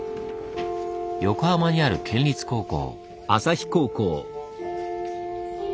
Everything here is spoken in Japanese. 横浜にある県立高校。